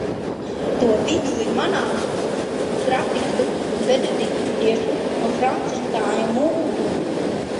To vidū ir minami trapistu, benediktiešu un franciskāņu mūki.